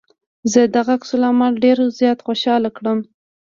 زه دغه عکس العمل ډېر زيات خوشحاله کړم.